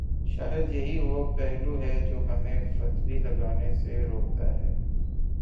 شاید یہی وہ پہلو ہے جو ہمیں فتوی لگانے سے روکتا ہے۔